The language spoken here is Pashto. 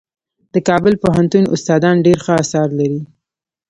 د کابل پوهنتون استادان ډېر ښه اثار لري.